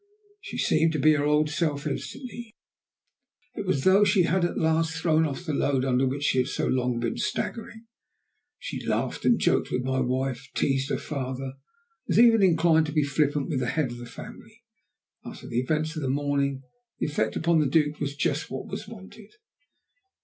She seemed to be her old self instantly. It was as though she had at last thrown off the load under which she had so long been staggering. She laughed and joked with my wife, teased her father, and was even inclined to be flippant with the head of the family. After the events of the morning the effect upon the Duke was just what was wanted.